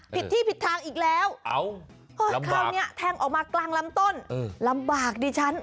ผิดที่ผิดทางอีกแล้วแล้วคราวนี้แทงออกมากลางลำต้นลำบากดิฉัน